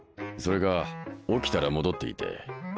それが起きたら戻っていて。